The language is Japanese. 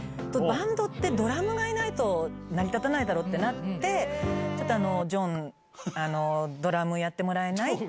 バンドって、ドラムがいないと成り立たないだろってなって、ちょっとあの、ジョン、ドラムやってもらえない？